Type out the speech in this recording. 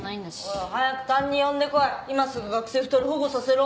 ほら早く担任呼んでこい今すぐ学生２人保護させろ。